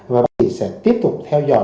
và bệnh nhân sẽ tiếp tục theo dõi